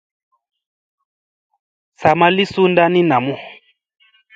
Sa ma li sunda ni namu.